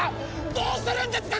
どうするんですか？